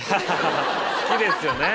好きですよね。